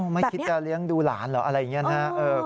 ไม่คิดจะเลี้ยงดูหลานเหรออะไรอย่างนี้นะครับ